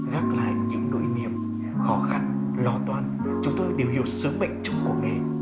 gác lại những nỗi niềm khó khăn lo toan chúng tôi đều hiểu sứ mệnh trong công nghệ